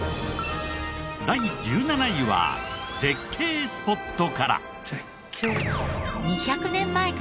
第１７位は絶景スポットから。